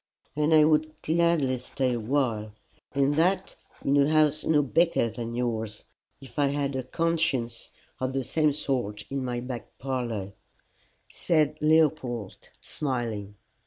"And I would gladly stay a while, and that in a house no bigger than yours, if I had a conscience of the same sort in my back parlour," said Leopold smiling.